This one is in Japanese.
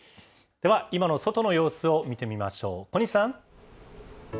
では、今の外の様子を見てみましょう、小西さん。